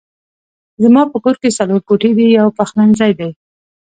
زما په کور کې څلور کوټې دي يو پخلنځی دی